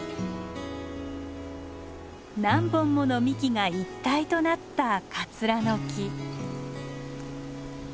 何本もの幹が一体となったカツラの木。